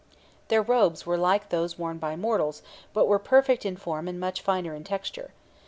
Their robes were like those worn by mortals, but were perfect in form and much finer in texture.